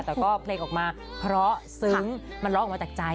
แต่ก็เพลงออกมาเพราะซึ้งมันร้องออกมาจากใจ